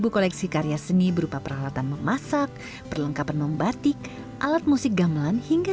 koleksi karya seni berupa peralatan memasak perlengkapan membatik alat musik gamelan hingga